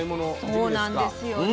そうなんですよね。